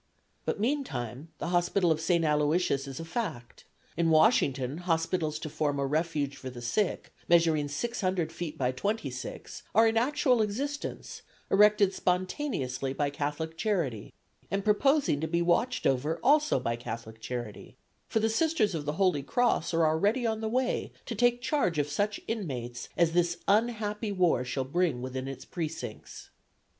"But, meantime, the hospital of St. Aloysius is a fact; in Washington, hospitals to form a refuge for the sick, measuring six hundred feet by twenty six, are in actual existence, erected spontaneously by Catholic charity, and purposing to be watched over also by Catholic charity, for the Sisters of the Holy Cross are already on the way to take charge of such inmates as this unhappy war shall bring within its precincts.